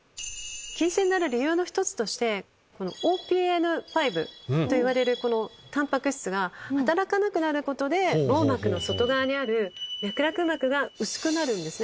近視になる理由の１つとしてＯＰＮ５といわれるタンパク質が働かなくなることで網膜の外側にある脈絡膜が薄くなるんですね。